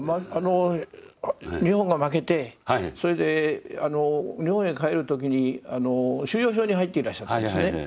日本が負けてそれで日本へ帰る時に収容所に入っていらっしゃったんですね。